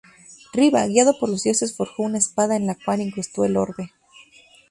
Riva, guiado por los dioses, forjó una espada en el cual incrustó el Orbe.